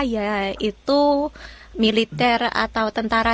yaitu militer atau tentara